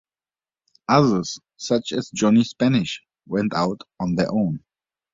Others, such as Johnny Spanish, went out on their own.